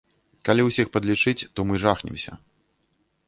Калі ўсіх падлічыць, то мы жахнемся.